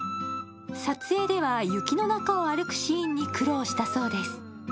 撮影では雪の中を歩くシーンに苦労したそうです。